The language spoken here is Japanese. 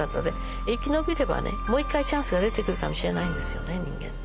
生き延びればねもう一回チャンスが出てくるかもしれないんですよね人間って。